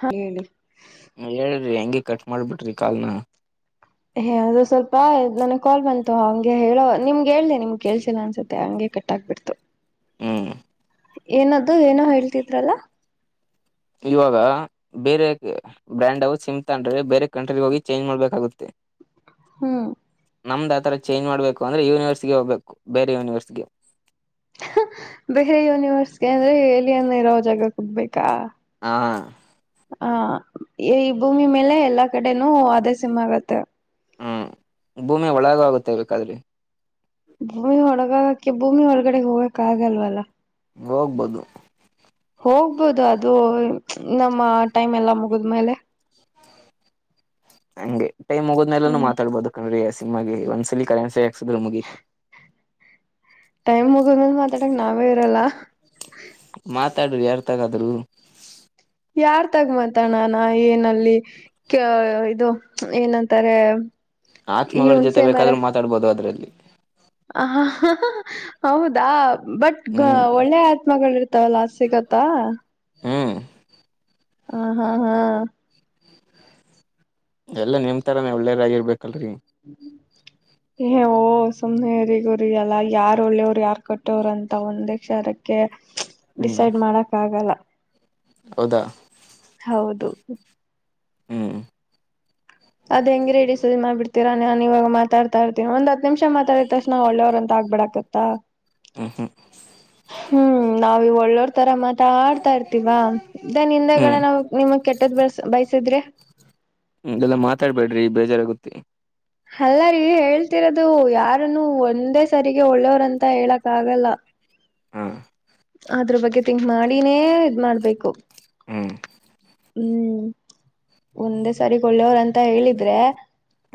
ಹಾ ಹೇಳಿ. ಹೇಳ್ರಿ ಹೆಂಗೆ ಕಟ್ ಮಾಡ್ಬಿಟ್ರಿ ಕಾಲ್ನ. ಹೇ ಅದು ಸ್ವಲ್ಪ ನನಗ್ ಕಾಲ್ ಬಂತು ಹಂಗೆ ಹೇಳೋ ನಿಮ್ಗೆ ಹೇಳ್ದ ನಿಮ್ಗೆ ಕೇಳ್ಸಿಲ್ಲ ಅನ್ಸುತ್ತೆ ಹಂಗೆ. ಕಟ್ಟಾಗಬಿಡ್ತು. ಹ್ಮ್. ಏನದ್ದು ಏನೋ ಹೇಳ್ತಿದ್ರಲ್ಲ. ಇವಾಗ ಬೇರೆ ಬ್ರ್ಯಾಂಡ್ ಸಿಮ್ ತಂಡ್ರೆ ಬೇರೆ ಕಂಟ್ರಿ ಹೋಗಿ ಚೇಂಜ್ ಮಾಡ್ಬೇಕಾಗುತ್ತೆ. ಹ್ಮ. ನಮ್ದ್ ಆಥರ ಚೇಂಜ್ ಮಾಡ್ಬೇಕು ಅಂದ್ರೆ ಯೂನಿವರ್ಸ್ಗೆ ಹೋಗ್ಬೇಕು ಬೇರೆ ಯೂನಿವರ್ಸ್ಗೆ. ಬೇರೆ ಯೂನಿವರ್ಸ್ಗೆ ಅಂದ್ರೆ ಎಲಿಯನ್ನ ಇರೋ ಜಾಗಕ್ಕೆ ಹೋಗ್ಬೇಕಾ. ಹಾ. ಹ ಈ ಭೂಮಿ ಮೇಲೆ ಎಲ್ಲಾ ಕಡೆನೂ ಅದೇ ಸಿಮ್ ಆಗತ್ತೆ. ಹ ಭೂಮಿ ಒಳಗ ಹೊಗುತ್ತೆ ಬೇಕಾದ್ರೆ. ಭೂಮಿ ಒಳಗಕ ಹಾಕಿ ಭೂಮಿ ಒಳಗಡೆ ಹೋಗಕ್ಕ ಆಗಲ್ವಲ್ಲ. ಹೋಗ್ಬೋದು. ಹೋಗ್ಬೋದು ಅದು ನಮ್ಮ ಟೈಮ್ ಎಲ್ಲ ಮುಗದಮೇಲೆ. ಹಂಗೆ ಟೈಮ್ ಮುಗೋದಮ್ಮೆ ಲೆನು ಹ್ಮ್ ಮಾತಾಡ್ಬೋದು ಕಣಲೆ ಯ. ನಿುಮಗೆ ಒಂದ್ಸಲ ಕಳ್ಳನಾಸ್ ಹಾಕ್ಸಿದ್ರೆ ಮುಗಿಯತು. ಟೈಮ್ ಮುಗಿದ್ಮೇಲ್ ಮಾತಾಡಕ್ ನಾವೇ ಇರಲ್ಲಾ ತಡ್ರಿ ಹೇಳ್ತಾಗಾದ್ರೂ. ಯಾರ್ ತಗ ಮಂತಣ್ಣಾನ ಏನಲ್ಲಿ. ಕ್ಯ್ ಇದು ಏನಂತಾರೆ. ಈ ಆತ್ಮಗಳ ಜೊತೆ ಹುಣ್ಸೆ ಮರ ಬೇಕಾದ್ರೂ ಮಾತಾಡ್ಬಹದು ಅದರಲ್ಲಿ. ಹ ಹೌದಾ ಬಟ್ ಹ್ಮ್ ಒಳ್ಳೆ ಆತ್ಮಗಳ ಇರ್ತಾವಲ್ಲ ಅಸ್ ಸಿಗತ್ತಾ. ಹು ಹ ಹ ಹ. ಎಲ್ಲಾ ನಿಮತಾರನ ಒಳ್ಳೇ ರಾಗಿರ್ಬೇಕಲ್ರರಿ. ಪ್ಚ್ಲ್ ಏ ಓಹ ಸುಮ್ನೆರಿಗೂರಿ ಅಲ್ಲ ಯಾರ ಒಳ್ಳೆಯವರು ಯಾರ್ ಕೊಟ್ಟೋವ್ರ ಅಂತ ಒಂದೇ ಕ್ಷಾರಕ್ಕೆ. ಪ್ಚ್ ಹ್ಮ್ ಡಿಸೈಡ್ ಮಾಡಕ್ ಆಗಲ್ಲ. ಹೌದಾ ಹೌದು ಹು ಅದ ಹೆಂಗ ರೀ ಡಿಸೈಡ್ ಮಾಡಬಿಡ್ತೀರಾ ನಾ ಇವಾಗ ಮಾತಾಡ್ತಾ ಇರ್ತನಿ ಒಂದ ಹತ್ತ್ ನಿಮಷ ಮಾತಾಡಿದ ತಕ್ಷಣ ಒಳ್ಳೆವರ ಅಂತ. ಬೀಡಾಕತ್ತಾ. ಉ ಹು ಹು ನಾವ ಇ ಒಳ್ಳೋರ್ ತರಾ ಮಾತಾಡ್ತಾ ಇರ್ತಿವಾ ದನ್ ಹಿಂದೆಗ ಹ್ಮ್ ನಾವ ನಿಮಗ್ ಕೆಟ್ಟದ್ ಬಸ ಬೈಸಿದ್ರೆ. ಹ್ಮ ಎಲ್ಲಾ ಮಾತಾಡ್ಬೇಡ್ರಿ ಬೇಜಾರಾಗುತ್ತಿ ಅಲ್ಲಾರ ಹೇಳ್ತಿರೋದು ಯಾರನು ಒಂದೇ ಸರಿಗೆ ಒಳ್ಳೇವರಂತ ಹೇಳಕ್ ಆಗಲ್ಲ ಹಾ ಅದ್ರ ಬಗ್ಗೆ ತಿಂಕ್ ಮಾಡಿನೇ ಇದ್ ಮಾಡ್ಬೇಕು. ಹು ಹು ಒಂದೇ ಸಾರಿ ಒಳ್ಳೆಯವರಂತ ಹೇಳಿದ್ರೆ.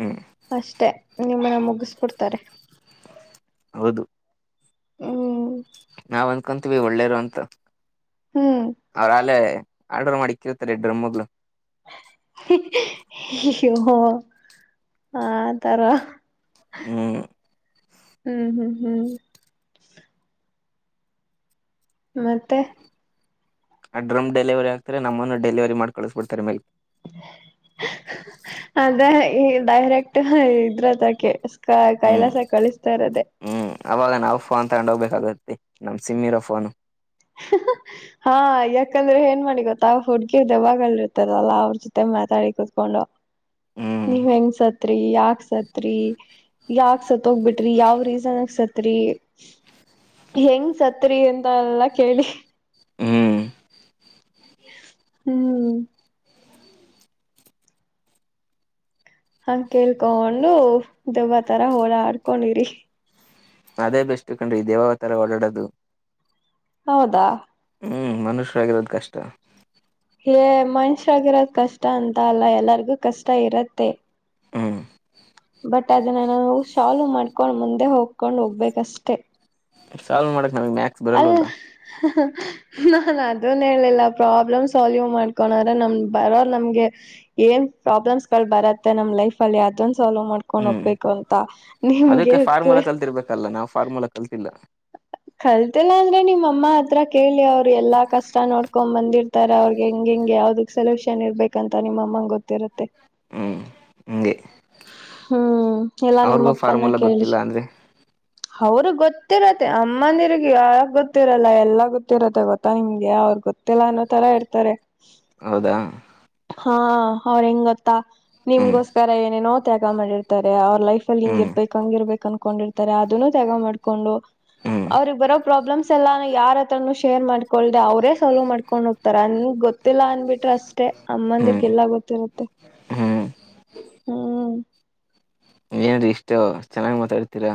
ಹ್ಮ್ ಅಷ್ಟೆ ನೀಮ್ಮ ಮನ ಮುಗಿಸಬಿಡ್ತಾರೆ ಹೌದು. ಹು. ನಾವ್ ಅಂದ್ಕೊಂತೀವಿ ಒಳ್ಳೇರು ಅಂತ ಹ್ಮ್ ಅವ್ರಾಲೇ ಆರ್ಡ್ರ್ ಮಾಡಿರ್ತಾರೆ ಡ್ರ ಮೊಲು ಆ ತರ ಹ್ಮ್ ಹ್ಮ್ ಹ್ಮ್ ಹ್ಮ್ ಮತ್ತೆ ಆ ಡ್ರಮ್ ಡೆಲಿವರಿ ಆಗ್ತ ನಮ್ಮನ್ನು ಡೆಲಿವರಿ ಮಾಡ ಕಳಿಸಸ್ಬಡ್ತ ಮೇಲೆ ಅದೇ ಡೈರೆಕ್ಟ್ ಇದ್ರದಕ ಕ ಹ್ಮ್ ಕೈಲಾಸ ಕಳಿಸ್ತ ಇಾರದೆೇ ಹ್ಮ್ ಅವಾಗ ನಾವು ಫೋನ್ ತಗೊಂಡು ಹೋಗ್ಬೇಕಾಗುತ್ತೆ ನಮ್ ಸಿಮ್ಮ್ ಇರೋ ಫೋನ್ ಹ ಹಾ ಯಾಕಡ್ರೆ ಏನ್ ಮಾಡಿ ಗೊತ್ತಾ ಹುಡ್ಗಿರ್ ದವಾಗಲ್ರ್ತದಲ್ಲ ಅವ್ರ ಜೊತೆ ಮಾತಾಡಿ ಕುೂತ್ಕೊಂಡು ಹ್ಮ್ ನೀವ್ ಹೆಂಗ್ಸತ್ ಸತ್ರಿ ಯಾಕ್ ಸತ್ರಿ ಯಾಕ ಸತ್ತೋಗ್ಬಿಟ್ರಿ ಯಾವ್ ರೀಸನ್ಕ್ ಸತ್ರಿ ಹೆಂಗ್ ಸತ್ರಿ ಎಂತ ಎಲ್ಲಾ ಕೇಳಿ ಹ್ಮ್ ಹ್ಮ್ ಹಂಗ ಕೇಳ್ಕೊಂಡೊಂಡು ದಬ್ಬತರ ಹೋಳಾ ಆಡ್ಕೊಂಡಿರಿ ಅದೇ ಬೆಸ್ು ಕಣ್ರಿ ದೇವಾವತರ ಓಡಾಡೋದು ಹೌದಾ ಹ್ಮ್ ಮನುಷ್ಯ ಆಗಿರೋದ್ ಕಷ್ಟ ಹೇ ಮನುಷ್ಯಾಗಿರೋದ್ ಕಷ್ಟ ಅಂತ ಅಲ್ಲ ಎಲ್ಲರಿಗೂ ಕಷ್ಟ ಇರತ್ತೆ ಹ್ಮ್ ಬಟ್ ಅದನ್ನ ನಾವು ಸಾಾಲವ್ ಮಾಡ್ಕೊಂಡು ಮುಂದೆ ಹೋಗಕೊಂಡು ಹೋಗ್ಬೇಕಷ್ಟೆ ಸಾಲ್ವ್ ಮಾಡಕ್ ನಮಗೆ ಮ್ಯಾಕ್ಸ್ ಬರಲ್ವಲ್ಲ ಹ್ಮ ನಾನನ್ ಅದನ್ ಹೇಳಲಿಲ್ಲ ಪ್ರಾಬ್ಲಮ್ ಸಾಲ್ವ್ ಮಾಡ್ಕೊಳ್ರ ನಮ ಬರೋ ನಮ್ಗೆ ಏನ್ ಪ್ರಾಬ್ಲಮ್ಸ್ ಗಳು ಬರುತ್ತೆ ನಮ್ ಲೈಫ ಅಲ್ಲಿ ಅದೊಂದು ಸಾಲ್ ಮಾಡ್ಕೊಂಡ್ ಹ್ಮ್ ಹೋಗಬೇಕು ಅಂತ ನಿಮ್ಗೆ ಫಾರ್ಮಲ ಕಲ್ತಿಲ್ಲ [inaudible] ಕಲ್ತಿಲ್ಲಾ ಅಂದ್ರೆ ನಿಮ್ ಅಮ್ಮ ಹತ್ರ ಕೇಳಿ ಅವ್ರು ಎಲ್ಲಾ ಕಷ್ಟ ನೋಡ್ಕೊಂಡ್ ಬಂದಿರ್ತಾರ ಅವ್ರಗೆ ಹೆಂಗ ಹೆಂಗ ಯಾವ್ದ ಸಲ್ಯೂಷನ್ ಇರ್ಬೇಕ ಅಂತ ನಿಮ್ಮ ಅಮ್ಮನ್ ಗೊತ್ತಿರುತ್ತೆ ಹ್ಮ್ ಹಗೆ ಹ್ಮ್ ಎಲ್ಲಾ ನಿಮ್ಮಪ್ಪನ ಫಾರ್ಮುಲಾ ಕೇಳಿ ಗೊತ್ತಿಲ್ಲ ಅಂದ್ರೆ ಅವ್ರ ಗೊತ್ತಿರತ್ತೆ ಅಮ್ಮಂದಿರ್ಗ ಯಾವಾಗ ಗೊತ್ತಿರಲ್ಲ ಎಲ್ಲ ಗೊತ್ತಿರತ್ತೆ ಗೊತ್ತಾ ನಿಮ್ಗೆ ಅವ್ರಗ್ ಗೊತ್ತಿಲ್ಲ ಅನ್ನೋ ತರ ಇರ್ತಾರೆ ಹೌದಾ ಹಾ ಅವ್ರ ಹೆಂಗತ್ತಾ ಹ್ಮ್ ನಿಮ್ಗೋಸ್ಕರ ಏನೇನೋ ತ್ಯಾಗ ಮಾಡಿರ್ತಾರೆ ಅವ ಲೈಫ್ ಅಲ್ಲಿ ಹ್ಮ್ ಹಿಂಗಿರ್ಬೇಕ ಹಂಗಿರ್ಬೇಕ ಅನ್ಕೊಂಡಿರ್ತಾರೆ ಅದನ್ನೂ ತ್ಯಾಗ ಮಾಡ್ಕೊಂಡು ಹ್ಮ್ ಅವ್ರಿಗೆಗ್ ಬರೋ ಪ್ರಾಬ್ಲಮ್ಸ್ ಎಲ್ಲಾನ ಯಾರತ್ರನು ಶೇರ್ ಮಾಡ್ಕೊಂಡ್ದೆ ಅವ್ರೇ ಸಾಲ್ವ್ ಮಾಡ್ಕೊಂಡು ಹೋಗ್ತಾರ ನನ್ಗೆ ಗೊತ್ತಿಲ್ಲ ಅಂದ್ಬಿಟ್ಟು ಅಷ್ಟೇ ಹ್ಮ್ ಅಮ್ಮಂದಿರ್ಗೆಲ್ಲ ಗೊತ್ತಿರುತ್ತೆ ಹ್ಮ್ ಹ್ಮ್ ಏನಾದ್ರ ಇಷ್ಟ ಚೆನ್ನಾಗ್ ಮಾತಾಡ್ತೀರಾ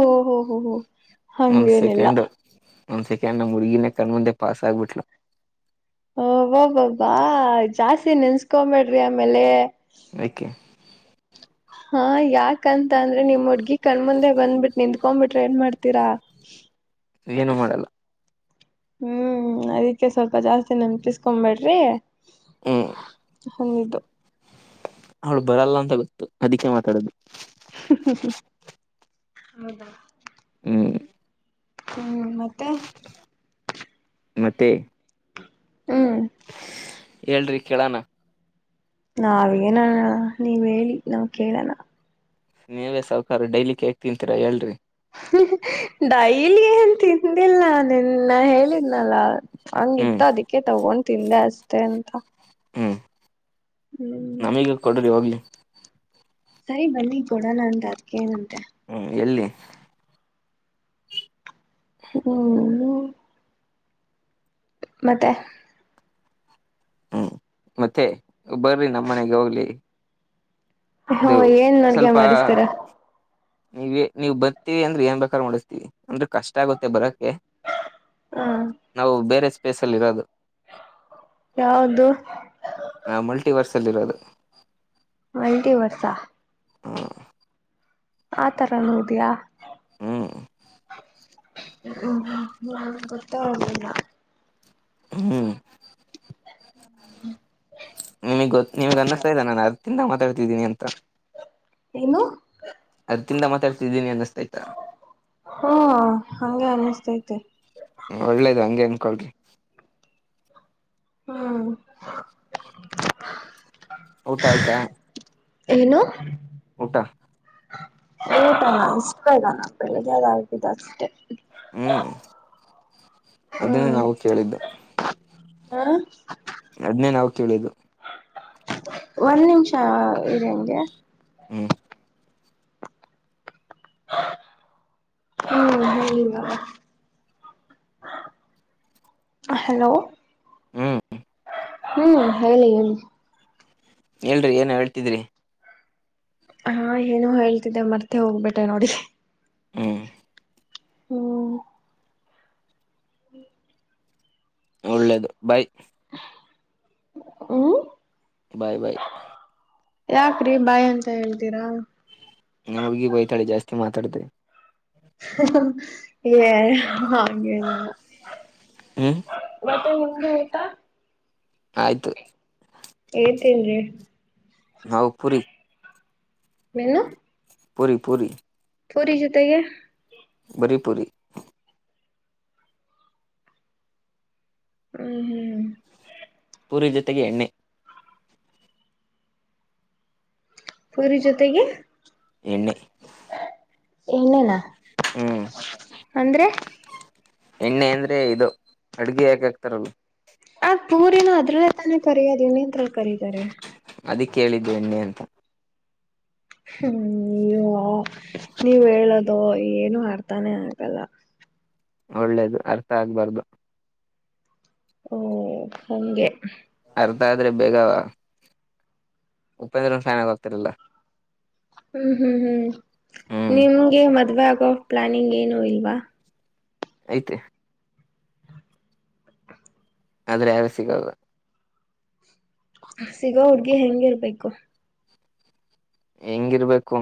ಓ ಹೋ ಹೋ ಹೋ ಒಂದ್ ಹಂಗೇನಿಲ್ಲ ಸೆಕೆಂಡ್ ಒಂದ್ ಸೆಕಂಡ್ಣ ಮುರ್ಗಿನ ಕಣ ಮುಂದೆ ಪಾಸ್ ಆಗ್ಬಿಟ್ಲು ಹಓಬಬಬ್ಬಾ ಜಾಸ್ತಿ ನೆನ್ಸ್ಕೊಬೇಡ್ರಿ ಆಮೇಲೆ ನಕ್ಕೆೆ ಹಾ ಯಾಕಂತ ಅಂದ್ರೆ ನಿಮ್ ಹುಡ್ಗಿ ಕಣ್ಮುಂದೆ ಬಂದ್ಬಿಟ್ಟ ನಿಂಕೊಬಿಟ್ರೆ ಏನ್ ಮಾಡ್ತೀರಾ [inaudible] ಏನು ಮಾಡಲ್ಲ ಹ್ಮ್ ಅದಕ್ಕೆ ಸ್ವಲ್ಪ ಜಾಸ್ತಿ ನೆನ್ಪಿಸಕೊಬೇಡ್ರಿ ಹ್ಮ್ ಹನ್ನದುು ಅವ್ಳು ಬರಲ್ಲ ಅಂತ ಗೊತ್ತು ಅದಕ್ಕೆ ಮಾತಾಡೋದು ಹೌದ ಹ್ಮ್ ಹ್ಮ್ ಮತ್ತೆ ಮತ್ತೆ ಹ್ಮ ಹೇಳ್ರಿ ಕೇಳೋಣ ನಾವೇನಣಣ ನೀವ್ ಹೇಳಿ ನಾವ್ ಕೇಳಣ ನೀವೇ ಸಾವಕಾರ ಡೈಲಿ ಕ ಹೇಕ್ ತಿಂತೀರಾ ಹೇಳ್ರಿ ೈಲಿ ಏನ್ ತಿಂದಿಲ್ಲ ನಿನ್ನ ಹೇಳಿದ್ನಲ್ಲ ಹ್ಮ್ ಹಂಗಿತ್ತು ಅದಕ್ಕೆ ತಗೊಂಡ್ ತಿಂದೆ ಅಷ್ಟೆ ಅಂತ ಹ್ಮ್ ಹ್ಮ್ ನಮಗ ಕೊಡರಿಿ ಇವಾಗ್ಲಿ ಸರಿ ಬನ್ನಿ ಕೊಡ ನ್ದು ಅದ್ಕ ಹ್ಮ್ ಎಲ್ಲಿ ಹ್ಮ್ಮ ಮತ್ತೆ ಹ್ಮ್ ಮತ್ತೆ ಬರ್ರಿ ನಮ್ಮ ಮನೆಗೆ ಹೋಗ್ಲಿ ಹ ಇದು ಏನ್ ಅಡ್ಗೆ ಸ್ವಲ್ಪ ಮಾಡಿಸ್ತೀರ ನೀವ ನೀವು ಬರ್ತೀವಿ ಅಂದ್ರೆ ಏನ್ ಬೇಕಾದ ನಡಿಸ್ತೀವಿ ಅಂದ್ರೆ ಕಷ್ಟ ಆಗುತ್ತೆ ಬರಕ್ ನಾವು ಬೇರೆ ಸ್ಪೇಸ್ ಅಲ್ಲಿ ಇರೋದು ಯಾವ್ದ ಚಲ್ಲದು ಅಲ್ಟಿ ವರ್ಷ ಹ್ಮ ಆ ತರ ನೋದಿಯಾ ಹ್ಮ್ ಹ್ಮ ಗತ್ತಲ್ಲ ಹ್ಮ್ ಹ್ಮ ನಿಮಗ್ ಗೊ ನಿಮ್ಗೆ ಅನ್ನ್ತಾ ಇಲ್ಲ ನಾನು ಅತ್ತಿಂದ ಮಾತಾಡ್ತಿದ್ದೀನಿ ಅಂತ ಏನು ಅದ ತಿಂದ ಮಾತಾಡ್ತಿದ್ದೀನಿ ಅನ್ನಸ್್ತ ಆಯ್ತಾ ತತ ಒಳ್ಳೇದು ಹಂಗಗೆ ಅನ್ಕಳಿ ಹ್ಮ ಊಟ ಆಯ್ತಾ ಏನು ಊಟಾ ಊಟಾನ ಇಷ್ಟ ಬೇಗಾನ ಅಕಲ್ಲದ ದ್ದ ಅಷ್ಟೆ ಅದನ್ನು ಹ್ಮ್ ನಾವು ಕೇಳಿದ್ದು ಹಾ ಅದನೇ ನಾವವು ಕೇಳು ಒಂದ್ ನಿಮಿಷ ಇದೆ ಹಂಗೆ ಹ್ಮ ಹ್ಮ ಹೇಳಗ ಹಲೋ ಹ್ಮ್ ಹ್ಮ್ ಹೇಳಿ ಹೇಳಿ ಎಲ್ರಿ ಏನ್ ಹೇಳ್ತಿದ್ರಿ ಹಾ ಏನು ಹೇಳ್ತಿದ್ದೆ ಮರ್ತೆ ಹೋಗ್ಬೇಟೆ ನೋಡಿ ಹಾ ಹ್ಮ ಒಳ್ಳೇದು ಬಾಯ್ ಹ್ಮ ಬಾಯ್ ಬಾಯ್ ಯಾಕ್ರಿ ಬಾಯಿ ಅಂತ ಹೇಳ್ತೀರಾ ನ ಹುಡ್ಗಿ ಬಯತಾಳೆ ಜಾಸ್ತಿ ಮಾತಾಡ್ತ ಯ ಹಾಗ ಹ ಮತ್ತ ನಿಂದ ಆಯ್ತಾ ಆಯ್ತು ಏನ್ ತಿಂದ್ರಿ ಸೋವ್ ಪುರಿ ಮನು ಪುರಿ ಪುರಿ ಪೂರಿ ಜೊತೆಗೆ ಬರಿಪುರಿ ಹ್ಮ್ ಹ್ಮ್ ಹ್ಮ್ ಸೂರ್ಯ ಜೊತೆಗೆ ಎಣ್ಣೆ ಪುರಿ ಜೊತೆಗೆ ಎಣ್ಣೆ ಏನೇನಾ ಹ್ಮ್ ಅಂದ್ರೆ ಎಣ್ಣೆ ಅಂದ್ರೆ ಇದು ಅಡ್ಗೆ ಯಾಕೆ ಹಕ್ತಾರಲ್ವಾ ಆ ಪೂರಿನ ಅದ್ರಲ್ಲೇ ತಾನೇ ಕರಿದ ಇನ್ನಂದ್ರ ಕರೀತಾರೆ ಅದಿಕ್ ಕೇಳಿದ್ದ ಎಣ್ಣೆ ಅಂತ ಹ್ಮ ನೀ ನೀವ್ ಹೇಳದು ಏನು ಆರ್ತಾನೆ ಆಗಲ್ಲ ಒಳ್ಳೇದು ಅರ್ಥ ಆಗ್ಬಾರ್ದು ಓ ಹಂಗೇ ಅರ್ಧ ಆದ್ರೆ ಬೇಗವಾ ಉಪೇಂದ್ರ ಸಾಂಗ್ ಹೋಗ್ತಿರಲ್ಲ ಹ್ಮ್ ಹ್ಮ್ ಹ್ಮ್ ಹ್ಮ್ ನಿಮ್ಗೆ ಮದ್ವೆ ಆಗೋ ಪ್ಲಾನಿಂಗ್ ಏನು ಇಲ್ವಾ ಐತೆ ಆದ್ರೆ ಯಾರ ಸಿಗದು ಸಿಗೋ ಹುಡ್ಗಿ ಹೆಂಗಿರ್ಬೇಕು ಹೆಂಗಿರ್ಬೇಕು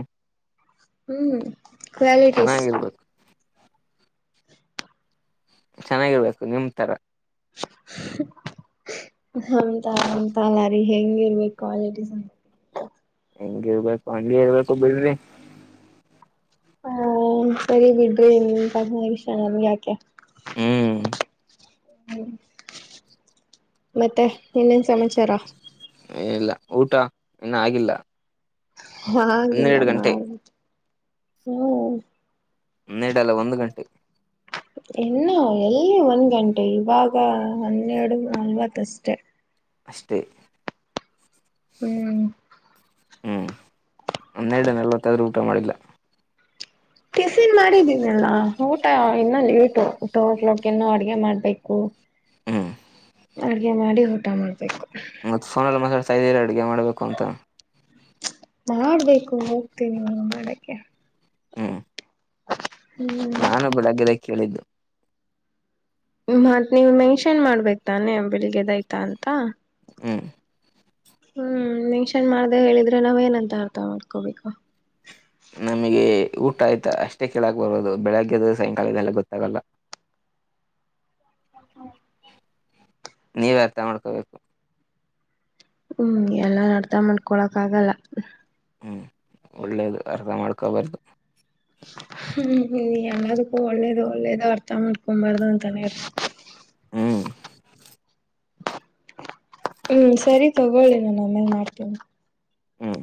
ಹ್ಮ್ ಕ್ವಾಲಿಟೀಸ್ ಚೆನ್ನಾಗಿರ್ಬೇಕು ಚೆನ್ನಾಗಿರ್ಬೇಕು ನಿಮ ತರ [inaudible] ಹಂತ ಅಂತ ಅಲ್ಲಾರಿ ಹೆಂಗಿರ್ಬೇಕು ಕ್ವಾಲಿಟೀಸ್ ಅಂತ ಹೆಂಗ ಇರ್ಬೇಕು ಹಂಗಗೆ ಇರ್ಬೇಕು ಬಿಡ್ರಿ ಹ್ಮ ಸರಿ ಬಿಡ್ ವಿಷ ನಮ ಯಾಕ ಹ್ಮ್ ಹ್ಮ ಮತ್ತೆ ಇನ್ನೇನ್ ಸಮಾಚಾರ ಇಏ ಇಲ್ಲ ಊಟ ಇನ್ನ ಆಗಿಲ್ಲ ಆಗಿಲ್ಲ ಹನ್ನೆರಡು ಗಂಟೆ ಮಾಡಬೇಕು ಅನ್ನೆರ್ದಲ್ಲ ಒಂದು ಗಂಟೆ ಇನ್ನು ಎಲ್ಲಿ ಒಂದ್ ಗಂಟೆ ಇವಾಗ ಹನ್ನೆರಡು ನಲ್ವತ್ತಷ್ಟೆ ಅಷ್ಟೇ ಹ್ಮ್ ಹ್ಮ್ ನನ್ನೆರಡ ನಲ್ವತ್ತಾದ್ರೂ ಊಟ ಮಾಡಿಲ್ಲ ಟಿಪಿನ್ ಮಾಡಿದ್ದೀನಲ್ಲ ಊಟ ಇನ್ನ ಲೇಟು ಊಟ ಓ ಕ್ಲಾಕ್ ನೋ ಅಡಗೆ ಮಾಡ್ಬೇಕು ಹಾ ಅಡ್ಗೆ ಮಾಡಿ ಊಟ ಮಾಡ್ಬೇಕು ಮತ್ತತ್ ಫೋನಲ್ಲ ಮಾತಾಡ್ತಾ ಇದ್ದೀರ ಅಡ್ಗೆ ಮಾಡ್ಬೇಕು ಅಂತ ಮಾಡ್ಬೇಕು ಹೋಗ್ತೀನ ನು ಮಾಡಕ್ಕೆ ಹ್ಮ ಹ್ಮ್ ನಾನುಬ್ ಬೆಳಗ್ಗೆದ ಕೇಳಿದ್ದು ಮತ್ ನೀವ್ ಮೆನ್ಷನ್ ಮಾಡ್ಬೇಕೇ ತಾನೆ ಬೆಳಿಗ್ಗೆದಯ್ತಾ ಅಂತ ಹ್ಮ್ ಹ್ಮ್ ಮೆನ್ಷನ್ ಮಾಡ್ದ ಹೇಳಿದ್ರೆ ನಾವ್ ಏನಂತ ಅರ್ಥ ಮಾಡ್ಕೋಬೇಕು ನಮಗೆ ಊಟ ಆಯ್ತಾ ಅಷ್ಟೇ ಕೇಳಳಕ್ ಬರೋದು ಬೆಳಗ್ಗೆದ ಸಾಯಂಕಾಲದೆ ಎಲ್ಲ ಗೊತ್ತಾಗಲ್ಲ ಹ ನೀವ್ ಅರ್ಥ ಮಾಡ್ಕೋಬೇಕು ಹ್ಮ್ ಎಲ್ಲಾ ನಡ್ತಾ ಮಾಡ್ಕೊಳಕ್ ಆಗಲ್ಲ ಹ್ಮ್ ಒಳ್ಳೇದು ಅರ್ಥ ಮಾಡ್ಕೊಬಾರ್ದು ಹ್ಮ್ ನದಕ್ಕೂ ಒಳ್ಳೇದು ಒಳ್ಳೇದು ಅರ್ಥ ಮಾಡ್ಕೊಬಾರ್ದು ಅಂತಾನೇ ಹ್ಮ್ ಹ್ಮ್ ಸರಿ ತಗೊಳ್ಳಿ ನಾ ಆಮೇಲ್ ಮಾಡ್ತೇನ ಹ್ಮ್